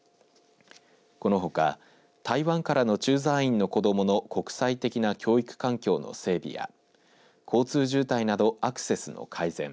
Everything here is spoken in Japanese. このほか台湾からの駐在員の子どもの国際的な教育環境の整備や交通渋滞などアクセスの改善。